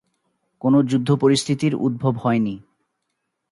কোনো যুদ্ধ-পরিস্থিতির উদ্ভব হয়নি।